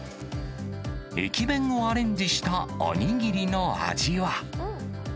駅弁をアレンジしたお握りの味は。